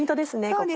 ここ。